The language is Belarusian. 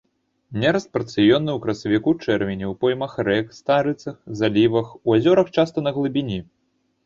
Нераст парцыённы ў красавіку-чэрвені ў поймах рэк, старыцах, залівах, у азёрах часта на глыбіні.